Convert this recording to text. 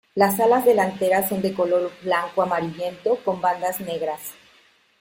Las alas delanteras son de color blanco-amarillento con bandas negras.